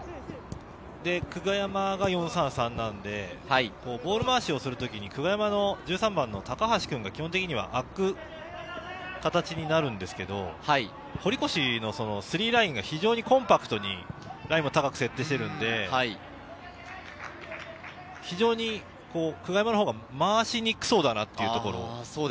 久我山が４−３−３なので、ボール回しをする時に久我山の１３番の高橋君が基本的にはあく形になるんですけど、堀越のスリーラインが非常にコンパクトに高く設定してるので、久我山のほうが回しにくそうだなっていう。